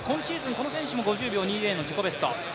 この選手も５０秒２０の自己ベスト。